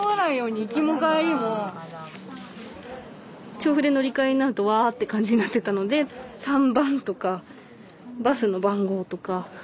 調布で乗り換えになるとわって感じになってたので３番とかバスの番号とかそれを丸つけたりとかして。